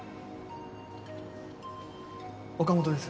岡本です。